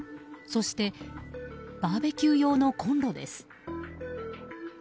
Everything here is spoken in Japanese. そしてバーベキュー用のコンロです。